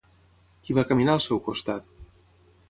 Qui va caminar al seu costat?